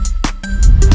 gak ada yang nungguin